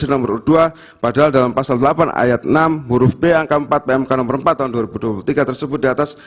pasal nomor dua padahal dalam pasal delapan ayat enam huruf b angka empat pmk no empat tahun dua ribu dua puluh tiga tersebut di atas